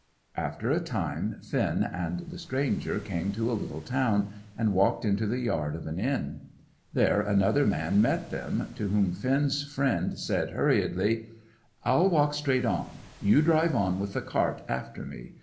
After a time, Finn and the stranger came to a little town, and walked into the yard of an inn. There another man met them, to whom Finn's friend said, hurriedly "I'll walk straight on. You drive on with the cart after me.